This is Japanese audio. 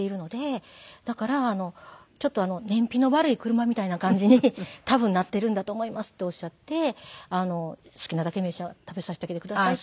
「だからちょっと燃費の悪い車みたいな感じに多分なっているんだと思います」っておっしゃって「好きなだけ食べさせてあげてください」って。